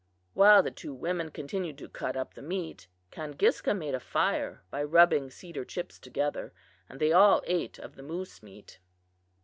"While the two women continued to cut up the meat, Kangiska made a fire by rubbing cedar chips together, and they all ate of the moose meat.